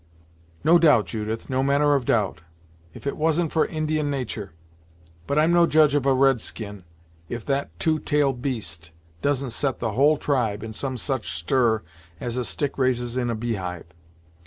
"No doubt, Judith; no manner of doubt, if it wasn't for Indian natur'. But I'm no judge of a red skin, if that two tail'd beast doesn't set the whole tribe in some such stir as a stick raises in a beehive!